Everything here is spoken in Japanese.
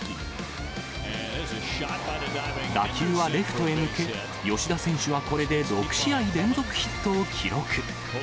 打球はレフトへ抜け、吉田選手はこれで６試合連続ヒットを記録。